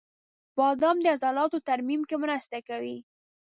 • بادام د عضلاتو ترمیم کې مرسته کوي.